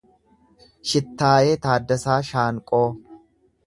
Shittaayee Taaddasaa Shaanqoo